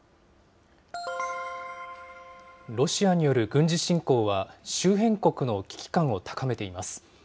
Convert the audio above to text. ロシアによる軍事侵攻は、周辺国の危機感を高めています。